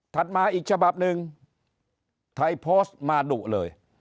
ถัดมาอีกฉภาพหนึ่งไทยโพสต์มาดูเลย